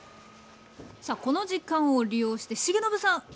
さあこの時間を利用して重信さん。